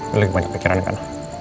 lu lagi banyak pikiran kan